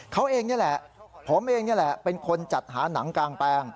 เขาเองนี่แหละผมเองนี่แหละเป็นคนจัดหาหนังกางแปลง